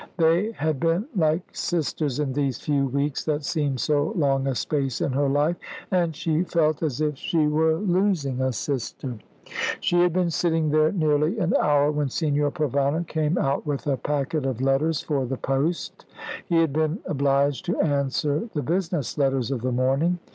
They had been like sisters, in these few weeks that seemed so long a space in her life; and she felt as if she were losing a sister. She had been sitting there nearly an hour when Signor Provana came out with a packet of letters for the post. He had been obliged to answer the business letters of the morning.